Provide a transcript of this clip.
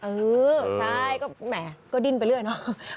อื้อใช่แหม่ก็ดิ้นไปเรื่อยเนอะ